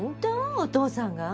お父さんが？